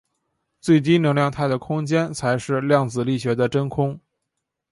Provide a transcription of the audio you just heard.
最低能量态的空间才是量子力学的真空。